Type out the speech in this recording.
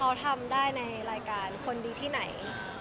เขาทำได้ในรายการคนดีที่ไหน